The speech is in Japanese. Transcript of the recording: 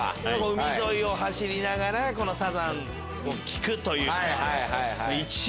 海沿いを走りながらサザンを聴くという。